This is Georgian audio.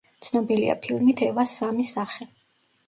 ცნობილია ფილმით „ევას სამი სახე“.